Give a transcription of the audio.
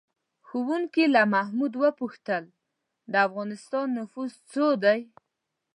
ښوونکي له محمود وپوښتل: د افغانستان نفوس څو دی؟